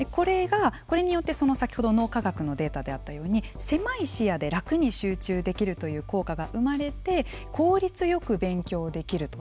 これによって先ほど脳科学のデータであったように狭い視野で楽に集中できるという効果が生まれて効率よく勉強できると。